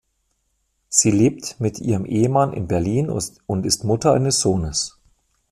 Sie lebt mit ihrem Ehemann in Berlin und ist Mutter eines Sohnes.